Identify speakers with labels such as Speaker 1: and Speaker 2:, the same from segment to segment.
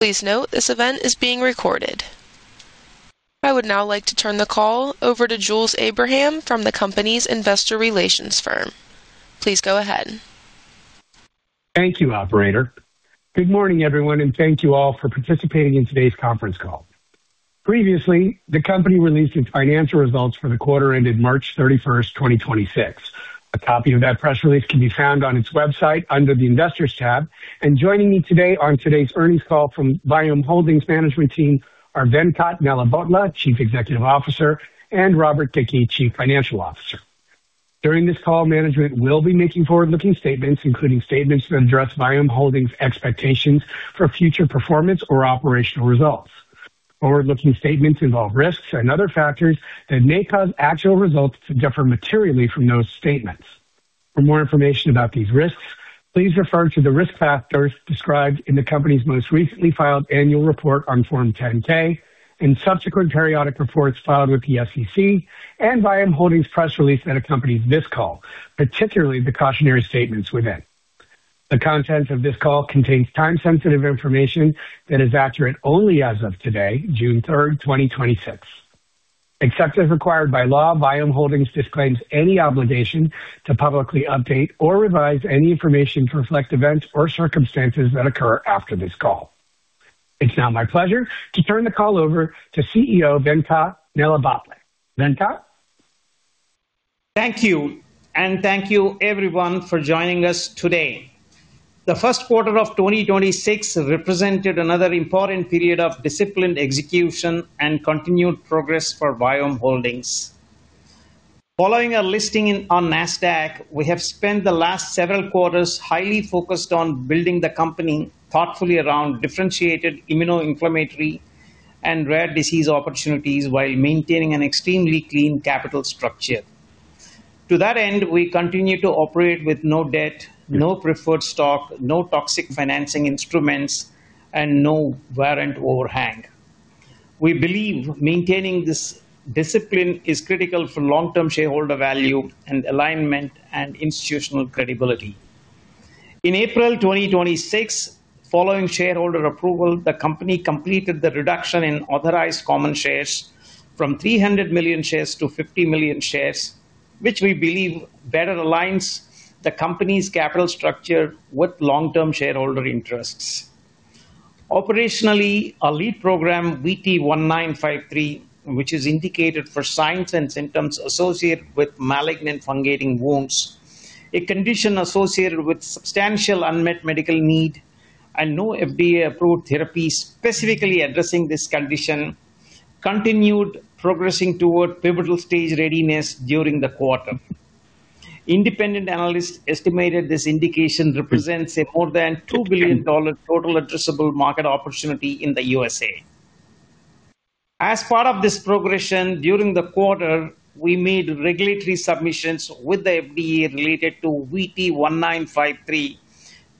Speaker 1: Please note this event is being recorded. I would now like to turn the call over to Jules Abraham from the company's investor relations firm. Please go ahead.
Speaker 2: Thank you, operator. Good morning, everyone, thank you all for participating in today's conference call. Previously, the company released its financial results for the quarter ended March 31st, 2026. A copy of that press release can be found on its website under the Investors tab. Joining me today on today's earnings call from Vyome Holdings' management team are Venkat Nelabhotla, Chief Executive Officer, and Robert Dickey, Chief Financial Officer. During this call, management will be making forward-looking statements, including statements that address Vyome Holdings' expectations for future performance or operational results. Forward-looking statements involve risks and other factors that may cause actual results to differ materially from those statements. For more information about these risks, please refer to the risk factors described in the company's most recently filed annual report on Form 10-K and subsequent periodic reports filed with the SEC and Vyome Holdings' press release that accompanies this call, particularly the cautionary statements within. The content of this call contains time-sensitive information that is accurate only as of today, June 3rd, 2026. Except as required by law, Vyome Holdings disclaims any obligation to publicly update or revise any information to reflect events or circumstances that occur after this call. It's now my pleasure to turn the call over to CEO, Venkat Nelabhotla. Venkat?
Speaker 3: Thank you, and thank you everyone for joining us today. The Q1 of 2026 represented another important period of disciplined execution and continued progress for Vyome Holdings. Following our listing on Nasdaq, we have spent the last several quarters highly focused on building the company thoughtfully around differentiated immunoinflammatory and rare disease opportunities while maintaining an extremely clean capital structure. To that end, we continue to operate with no debt, no preferred stock, no toxic financing instruments, and no warrant overhang. We believe maintaining this discipline is critical for long-term shareholder value and alignment and institutional credibility. In April 2026, following shareholder approval, the company completed the reduction in authorized common shares from 300 million shares to 50 million shares, which we believe better aligns the company's capital structure with long-term shareholder interests. Operationally, our lead program, VT-1953, which is indicated for signs and symptoms associated with malignant fungating wounds, a condition associated with substantial unmet medical need and no FDA-approved therapy specifically addressing this condition, continued progressing toward pivotal stage readiness during the quarter. Independent analysts estimated this indication represents a more than $2 billion total addressable market opportunity in the U.S.A. As part of this progression, during the quarter, we made regulatory submissions with the FDA related to VT-1953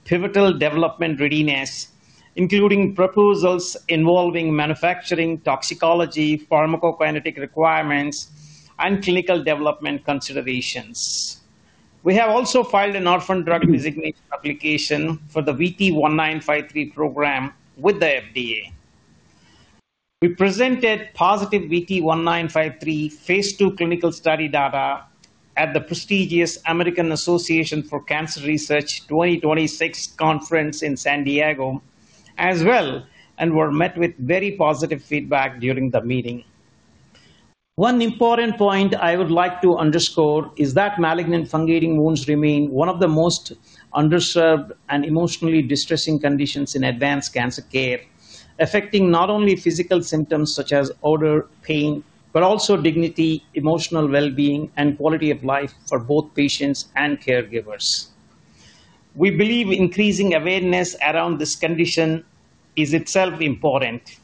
Speaker 3: pivotal development readiness, including proposals involving manufacturing, toxicology, pharmacokinetic requirements, and clinical development considerations. We have also filed an orphan drug designation application for the VT-1953 program with the FDA. We presented positive VT-1953 phase II clinical study data at the prestigious American Association for Cancer Research 2026 conference in San Diego as well and were met with very positive feedback during the meeting. One important point I would like to underscore is that malignant fungating wounds remain one of the most underserved and emotionally distressing conditions in advanced cancer care, affecting not only physical symptoms such as odor, pain, but also dignity, emotional well-being, and quality of life for both patients and caregivers. We believe increasing awareness around this condition is itself important.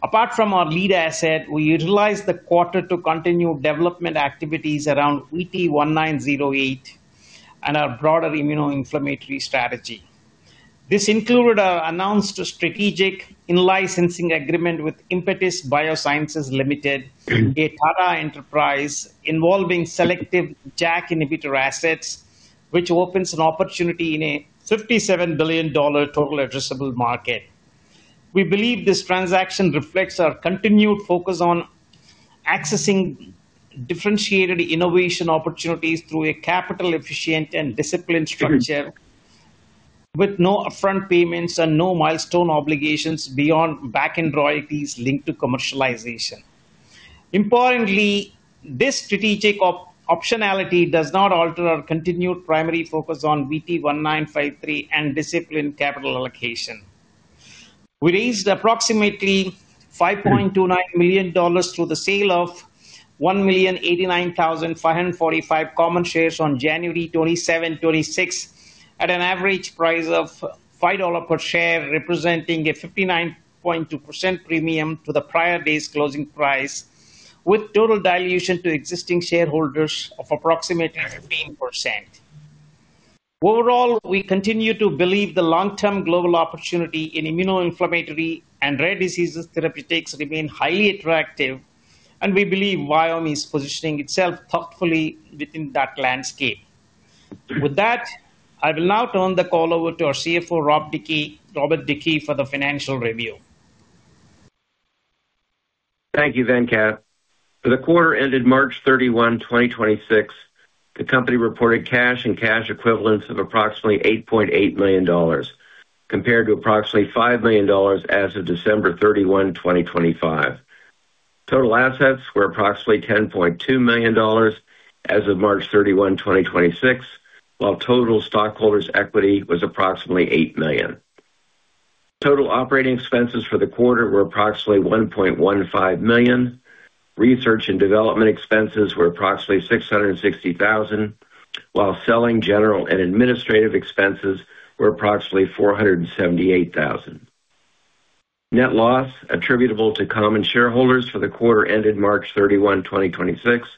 Speaker 3: Apart from our lead asset, we utilized the quarter to continue development activities around VT-1908 and our broader immunoinflammatory strategy. This included a announced strategic in-licensing agreement with Impetis Biosciences Limited, a Tata Enterprise involving selective JAK inhibitor assets, which opens an opportunity in a $57 billion total addressable market. We believe this transaction reflects our continued focus on accessing differentiated innovation opportunities through a capital efficient and disciplined structure with no upfront payments and no milestone obligations beyond back-end royalties linked to commercialization. Importantly, this strategic optionality does not alter our continued primary focus on VT-1953 and disciplined capital allocation. We raised approximately $5.29 million through the sale of 1,089,545 common shares on January 27th, 2026 at an average price of $5 per share, representing a 59.2% premium to the prior day's closing price, with total dilution to existing shareholders of approximately 15%. Overall, we continue to believe the long-term global opportunity in immunoinflammatory and rare diseases therapeutics remain highly attractive, and we believe Vyome is positioning itself thoughtfully within that landscape. With that, I will now turn the call over to our CFO, Robert Dickey, for the financial review.
Speaker 4: Thank you, Venkat. For the quarter ended March 31, 2026, the company reported cash and cash equivalents of approximately $8.8 million, compared to approximately $5 million as of December 31, 2025. Total assets were approximately $10.2 million as of March 31, 2026, while total stockholders' equity was approximately $8 million. Total operating expenses for the quarter were approximately $1.15 million. Research and development expenses were approximately $660,000, while selling, general, and administrative expenses were approximately $478,000. Net loss attributable to common shareholders for the quarter ended March 31, 2026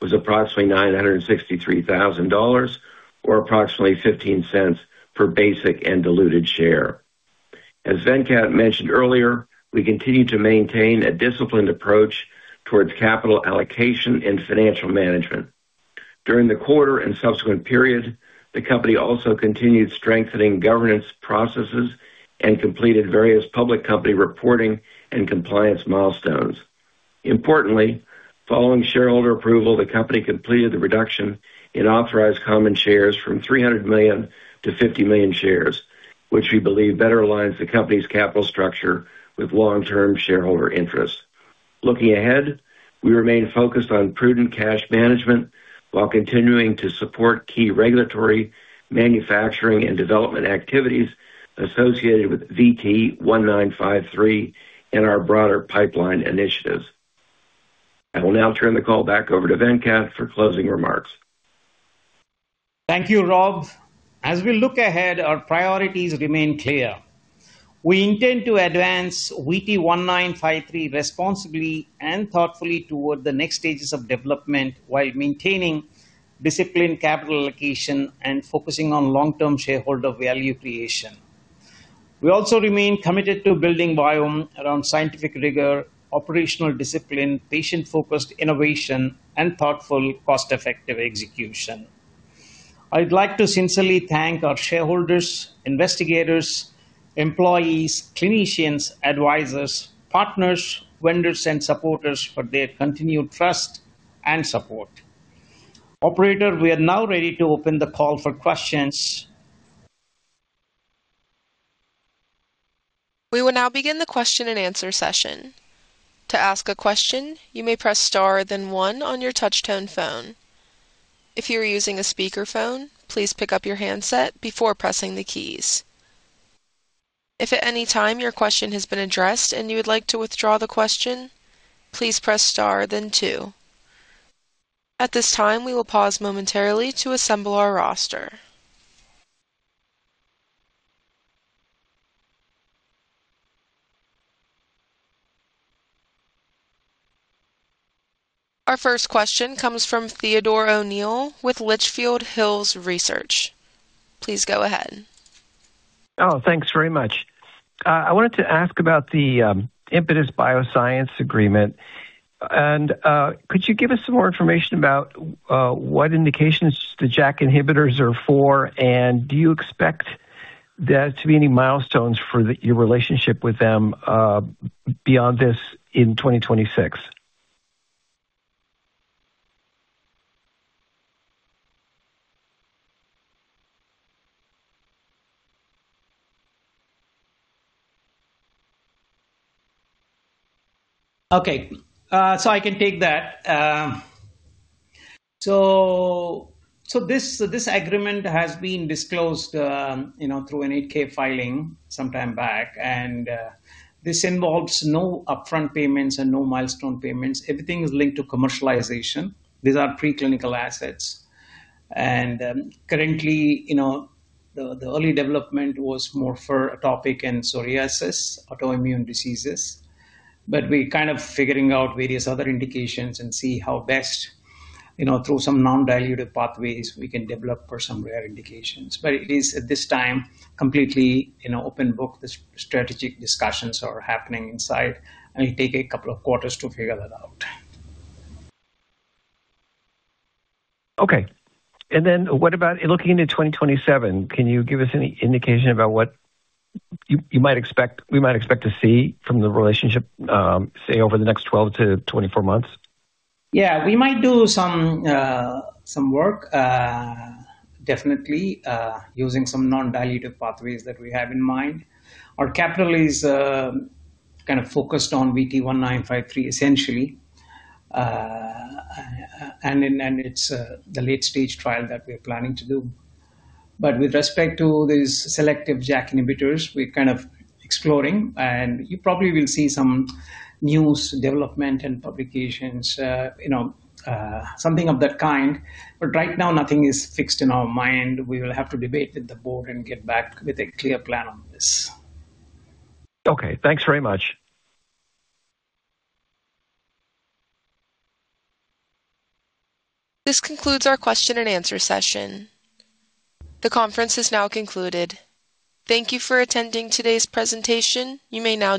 Speaker 4: was approximately $963,000 or approximately $0.15 per basic and diluted share. As Venkat mentioned earlier, we continue to maintain a disciplined approach towards capital allocation and financial management. During the quarter and subsequent period, the company also continued strengthening governance processes and completed various public company reporting and compliance milestones. Importantly, following shareholder approval, the company completed the reduction in authorized common shares from 300 million to 50 million shares, which we believe better aligns the company's capital structure with long-term shareholder interests. Looking ahead, we remain focused on prudent cash management while continuing to support key regulatory, manufacturing, and development activities associated with VT-1953 and our broader pipeline initiatives. I will now turn the call back over to Venkat for closing remarks.
Speaker 3: Thank you, Robert. As we look ahead, our priorities remain clear. We intend to advance VT-1953 responsibly and thoughtfully toward the next stages of development while maintaining disciplined capital allocation and focusing on long-term shareholder value creation. We also remain committed to building Vyome around scientific rigor, operational discipline, patient-focused innovation, and thoughtful, cost-effective execution. I'd like to sincerely thank our shareholders, investigators, employees, clinicians, advisors, partners, vendors, and supporters for their continued trust and support. Operator, we are now ready to open the call for questions.
Speaker 1: We will now begin the question-and-answer session. To ask a question, you may press *1 on your touch-tone phone. If you are using a speakerphone, please pick up your handset before pressing the keys. If at any time your question has been addressed and you would like to withdraw the question, please press *2. At this time, we will pause momentarily to assemble our roster. Our first question comes from Theodore O'Neill with Litchfield Hills Research. Please go ahead.
Speaker 5: Oh, thanks very much. I wanted to ask about the Impetis Biosciences agreement. Could you give us some more information about what indications the JAK inhibitors are for, and do you expect there to be any milestones for your relationship with them beyond this in 2026?
Speaker 3: Okay. I can take that. This agreement has been disclosed through an 8-K filing sometime back, and this involves no upfront payments and no milestone payments. Everything is linked to commercialization. These are preclinical assets. Currently, the early development was more for atopic and psoriasis, autoimmune diseases. We're kind of figuring out various other indications and see how best, through some non-dilutive pathways, we can develop for some rare indications. It is, at this time, completely an open book. The strategic discussions are happening inside, and it will take a couple of quarters to figure that out.
Speaker 5: Okay. What about looking into 2027? Can you give us any indication about what we might expect to see from the relationship, say, over the next 12 to 24 months?
Speaker 3: Yeah, we might do some work, definitely, using some non-dilutive pathways that we have in mind. Our capital is kind of focused on VT-1953, essentially, and it's the late-stage trial that we're planning to do. With respect to these selective JAK inhibitors, we're kind of exploring, and you probably will see some news development and publications, something of that kind. Right now, nothing is fixed in our mind. We will have to debate with the board and get back with a clear plan on this.
Speaker 5: Okay. Thanks very much.
Speaker 1: This concludes our question-and-answer session. The conference is now concluded. Thank you for attending today's presentation. You may now disconnect.